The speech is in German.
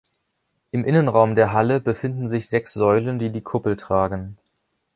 Im Innenraum der Halle befinden sich sechs Säulen, die die Kuppel tragen.